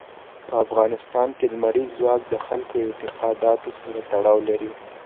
په افغانستان کې لمریز ځواک د خلکو د اعتقاداتو سره تړاو لري.